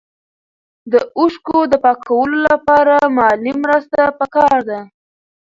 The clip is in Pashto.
د اوښکو د پاکولو لپاره مالي مرسته پکار ده.